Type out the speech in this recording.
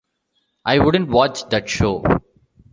I wouldn't watch that show.